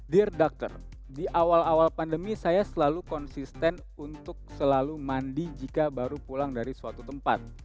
dear doctor di awal awal pandemi saya selalu konsisten untuk selalu mandi jika baru pulang dari suatu tempat